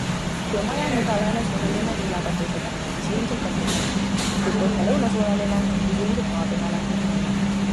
Kui maja on ida-lääne suunaline viilaktusega, siis ilmselt katusele, kui põhja-lõunasuunaline, siis ilmselt maapinnale.